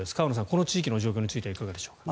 この地域の状況についてはいかがでしょうか。